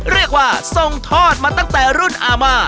เรียกว่าทรงทอดมาตั้งแต่รุ่นอาม่า